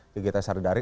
kegiatan sari dari